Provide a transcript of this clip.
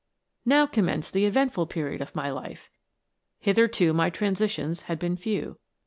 " Now commenced the eventful period of my life. Hitherto my transitions had been few.